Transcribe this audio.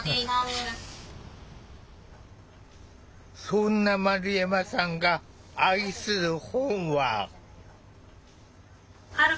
そんな丸山さんが愛する本は。